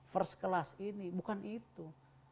first class ini bukan itu